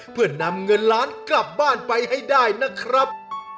เพื่อนำเงินล้านกลับบ้านไปให้ได้นะครับ